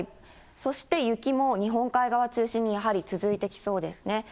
そして、雪も日本海側中心にやはり続いてきそうですね。